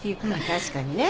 確かにね。